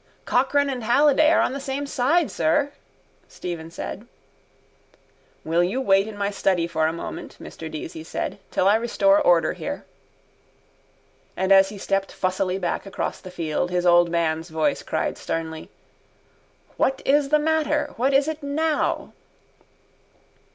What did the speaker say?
—Cochrane and Halliday are on the same side, sir, Stephen said. —Will you wait in my study for a moment, Mr Deasy said, till I restore order here. And as he stepped fussily back across the field his old man's voice cried sternly: —What is the matter? What is it now?